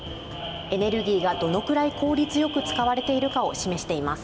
エネルギーがどれぐらい効率よく使われているかを示しています。